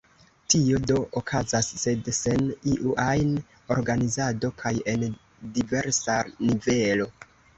Tio do okazas, sed sen iu ajn organizado kaj en diversa nivelo.